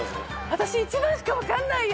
私１番しか分かんないよ。